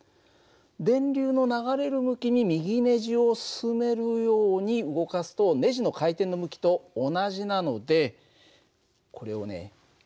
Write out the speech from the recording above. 電流の流れる向きに右ネジを進めるように動かすとねじの回転の向きと同じなのでこれをね